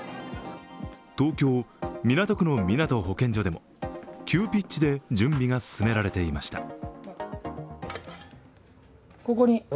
東京・港区のみなと保健所でも、急ピッチで準備が進められていました。